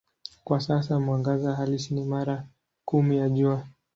Kwa sasa mwangaza halisi ni mara kumi ya Jua.